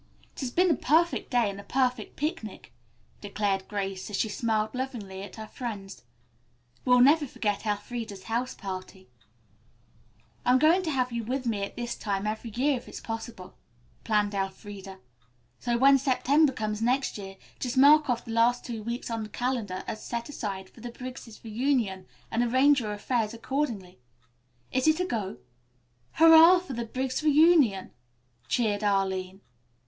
"It has been a perfect day and a perfect picnic," declared Grace as she smiled lovingly at her friends. "We'll never forget Elfreda's house party." "I'm going to have you with me at this time every year if it is possible," planned Elfreda. "So when September comes next year just mark off the last two weeks on the calendar as set aside for the Briggs' reunion and arrange your affairs accordingly. Is it a go?" "Hurrah for the Briggs' reunion," cheered Arline.